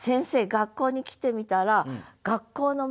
学校に来てみたら学校の周り